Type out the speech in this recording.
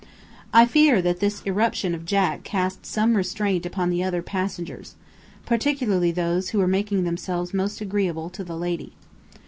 I fear that this irruption of Jack cast some restraint upon the other passengers particularly those who were making themselves most agreeable to the lady.